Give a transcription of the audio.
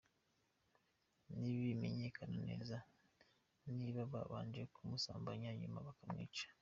Ntibiramenyekana neza niba babanje kumusambanya nyuma bakamwica.